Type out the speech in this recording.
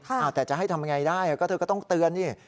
แต่จะให้ทำยังไงได้ก็เธอก็ต้องเตือนนี่